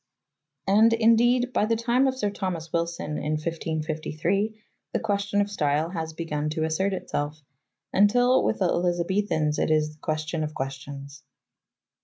And, indeed, by the time of Sir Thomas Wilson in 1553 the question of style has begun to assert itself, until with the Elizabethans it is the question of questions.